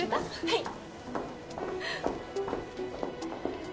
はい。